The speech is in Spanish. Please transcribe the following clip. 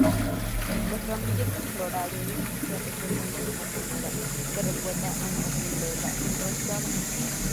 Los ramilletes florales se resuelven de una manera que recuerda a una culebra enroscada.